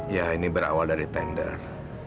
ya ini berawal dari tender